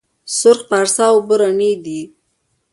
سرخ پارسا اوبه رڼې دي؟